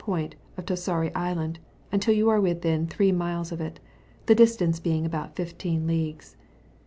point of Torsari Island, until you are within 3 miles of it, the dis tance being about 15 leagues.